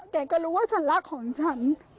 แกก็รู้ว่าฉันรักของฉัน